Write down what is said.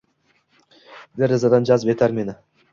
Derazadan jazb etar meni.